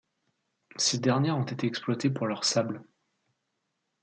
Ces dernières ont été exploitées pour leur sable.